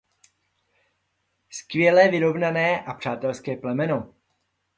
Skvěle vyrovnané a přátelské plemeno.